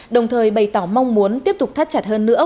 đồng thời bày tỏ mong muốn tiếp tục thắt chặt hơn nữa